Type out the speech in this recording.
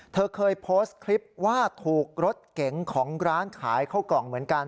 เธอเคยโพสต์คลิปว่าถูกรถเก๋งของร้านขายข้าวกล่องเหมือนกัน